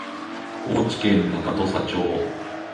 高知県中土佐町